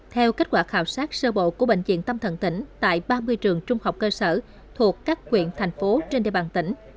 theo kết quả khảo sát sơ bộ của bệnh viện tâm thần tỉnh tại ba mươi trường trung học cơ sở thuộc các quyện thành phố trên địa bàn tỉnh